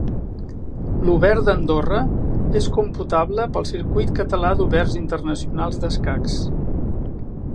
L'Obert d'Andorra és computable pel Circuit Català d'Oberts Internacionals d'Escacs.